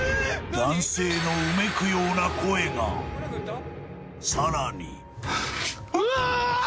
男性のうめくような声がさらにうわーっ！